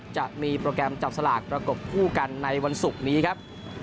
จะมีโปรแกรมจับสลากประกบคู่กันในวันศุกร์นี้ครับ